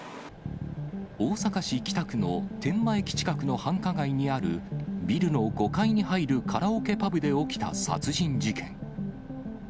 大阪市北区の天満駅近くの繁華街にある、ビルの５階に入るカラオケパブで起きた殺人事件。